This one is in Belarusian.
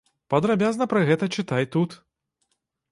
Падрабязна пра гэта чытай тут.